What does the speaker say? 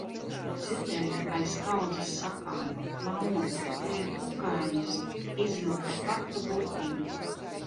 Tik dzirdēju aiz kaudzes sakām: "Mammu, te ir kukainis." Izvilka katru burtiņu.